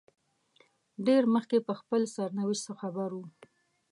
ډېر مخکې په خپل سرنوشت خبر وو.